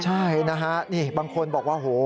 ใช่นะฮะบางคนบอกว่าโอ้โฮ